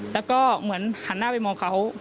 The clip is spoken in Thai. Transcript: แล้วก็เหมือนหันหน้าไปมองเขา